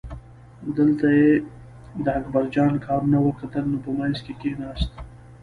دلته یې د اکبرجان کارونه وکتل نو په منځ کې کیناست.